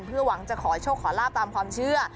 เพื่อหวังจะขอโชคขอลาบตามความเชื่อ